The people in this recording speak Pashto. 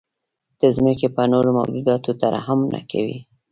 د ځمکې په نورو موجوداتو ترحم نه کوئ.